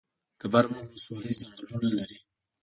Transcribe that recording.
د برمل ولسوالۍ ځنګلونه لري